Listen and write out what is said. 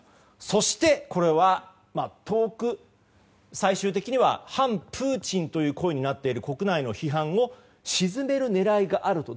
そしてこれは遠く最終的には反プーチンという声になっている国内の批判を鎮める狙いがあると。